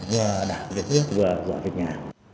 vừa đảm việc việc vừa giỏi việc nhà